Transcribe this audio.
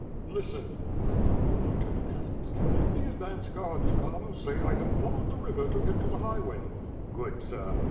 "Listen," said Zagloba to the peasants, "if the advance guards come, say I have followed the river to get to the high way." "Good, sir!"